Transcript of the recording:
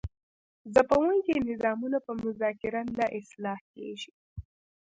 ځپونکي نظامونه په مذاکره نه اصلاح کیږي.